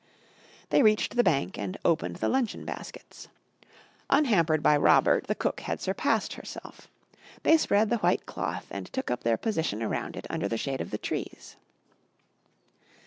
They reached the bank and opened the luncheon baskets. Unhampered by Robert the cook had surpassed herself. They spread the white cloth and took up their position around it under the shade of the trees.